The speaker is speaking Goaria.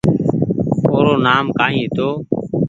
او رو نآم ڪآئي هيتو